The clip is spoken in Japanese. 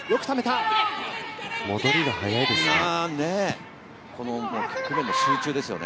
戻りが速いですね。